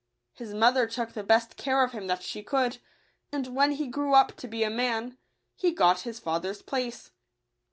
His mother took the best care of him that she could; and, when he grew up to be a man, he got his father's place.